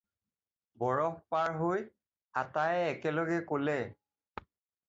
"বৰফ পাৰ হৈ!" আটায়ে একে লগে ক'লে।